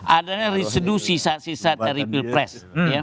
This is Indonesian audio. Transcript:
adanya resedu sisa sisa dari pilpres